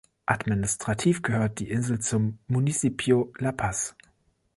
Administrativ gehört die Insel zum Municipio La Paz.